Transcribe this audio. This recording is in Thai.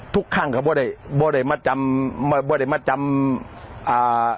ทุกครั้งเขาไม่ได้บ่ได้มาจำไม่ได้มาจำอ่า